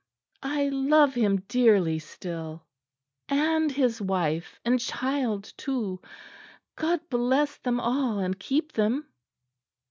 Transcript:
I love him dearly still; and his wife and child too. God bless them all and keep them!"